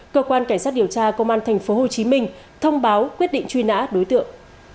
cơ quan cảnh sát điều tra công an tp hcm thông báo quyết định truy nã đối tượng